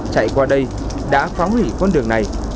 chạy qua đây đã phóng hủy con đường này